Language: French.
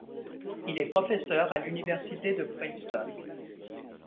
Il est professeur à l'université de Princeton.